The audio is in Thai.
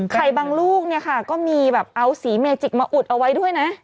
ไข่บางลูกก็มีเอาสีเมจิกมาอุดเอาไว้ด้วยนะ